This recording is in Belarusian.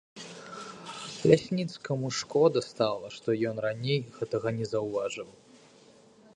Лясніцкаму шкода стала, што ён раней гэтага не заўважыў.